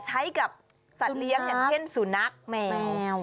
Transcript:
ใช้กับสัตว์เลี้ยงอย่างเช่นสุนัขแมว